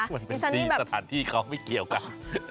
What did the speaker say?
มันเป็น๔สถานที่เขาไม่เกี่ยวกัน